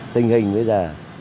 tình hình bây giờ